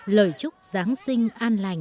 lời chúc giáng sinh an lành